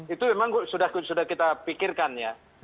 itu memang sudah kita pikirkan ya